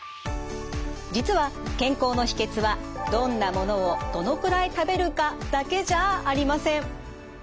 実は健康の秘けつはどんなものをどのくらい食べるかだけじゃありません。